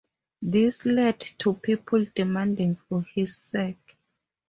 This led to people demanding for his sack.